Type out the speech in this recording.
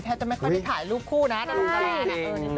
แทบจะไม่ค่อยได้ถ่ายรูปคู่นะในวงการ